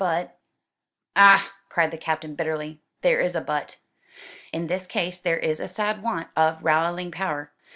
But " "Ah!" cried the Captain, bitterly, "there is a 'but.'" "In this case there is a sad want of rallying power.